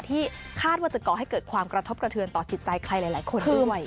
ที่คาดว่าจะก่อให้เกิดความกระทบกระเทือนต่อจิตใจใครหลายคนด้วย